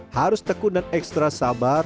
harus tekun dan ekstra sabar